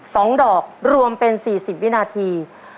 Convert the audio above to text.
สองดอกรวมเป็นสี่สิบวินาที